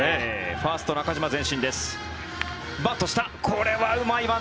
ファースト、中島前進です。